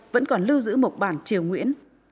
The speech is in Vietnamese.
vẫn còn lưu giữ một bản triều nguyễn